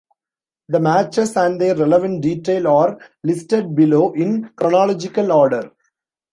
The matches and their relevant detail are listed below in chronological order.